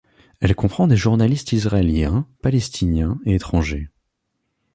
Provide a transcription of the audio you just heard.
Elle comprend des journalistes israéliens, palestiniens et étrangers.